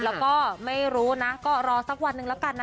แล้วก็ไม่รู้นะก็รอสักวันหนึ่งแล้วกันนะ